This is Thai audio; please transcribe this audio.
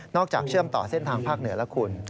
นอกจากเชื่อมต่อเส้นทางภาคเหนือละคร